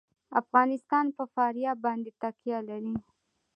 افغانستان په فاریاب باندې تکیه لري.